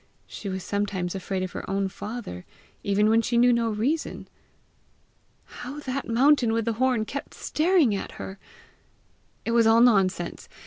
She was sometimes afraid of her own father, even when she knew no reason! How that mountain with the horn kept staring at her! It was all nonsense!